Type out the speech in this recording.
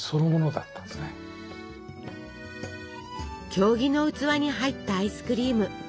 経木の器に入ったアイスクリーム。